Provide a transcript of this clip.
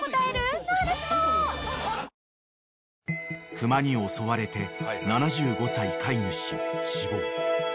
［熊に襲われて７５歳飼い主死亡］